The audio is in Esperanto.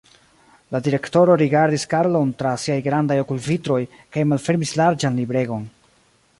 La direktoro rigardis Karlon tra siaj grandaj okulvitroj kaj malfermis larĝan libregon.